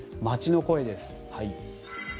街の声です。